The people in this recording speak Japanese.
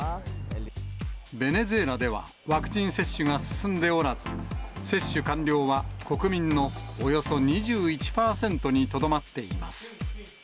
ベネズエラではワクチン接種が進んでおらず、接種完了は国民のおよそ２１％にとどまっています。